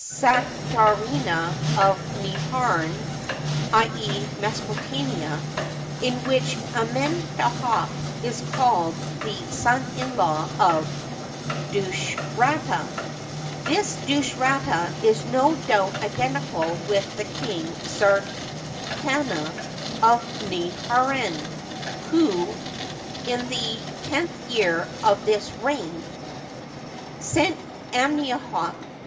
Satarna of Neharen — L e., Mesopotamia), in which Amenhdtep is called the son in law of Dushratia, This Dushratta is no doubt identical with the King Satarna of Neharen, who, in the tenth year of this reign, sent Amenhdtep.